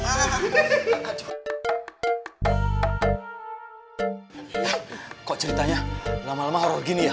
ah kok ceritanya lama lama horror gini ya